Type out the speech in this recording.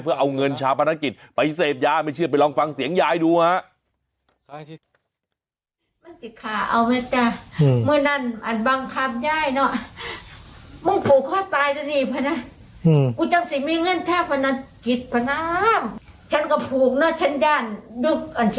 เพื่อเอาเงินชาปนกิจไปเสพยาไม่เชื่อไปลองฟังเสียงยายดูฮะ